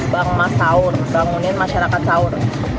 bang mas sahur bangunin masyarakat sahur